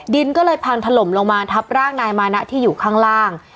ดินก็เลยพังถล่มลงมาทับร่างนายมานะที่อยู่ข้างล่าง